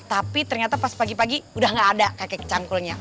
tapi ternyata pas pagi pagi udah gak ada kakek cangkulnya